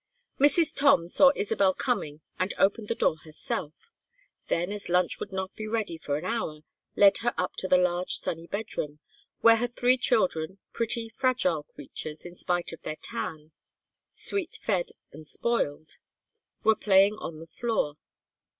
Mrs. Tom saw Isabel coming and opened the door herself; then as lunch would not be ready for an hour, led her up to her large sunny bedroom, where her three children, pretty fragile creatures in spite of their tan, sweet fed and spoiled, were playing on the floor.